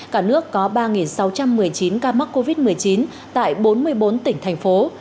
cả nước có ba sáu trăm một mươi chín ca mắc covid một mươi chín tại bốn mươi bốn tỉnh thành phố